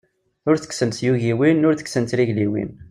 Ur tekksent tyugiwin, ur tekksent trigliwin.